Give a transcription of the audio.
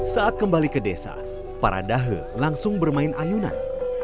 saat kembali ke desa para dahe langsung bermain ayunan